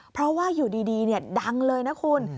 เพราะว่าอยู่ดีดังเลยนะคุณ